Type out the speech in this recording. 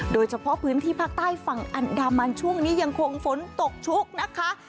โดยเฉพาะพื้นที่ภาคใต้ฝั่งอันดามันช่วงนี้ยังคงฝนตกชุกนะคะ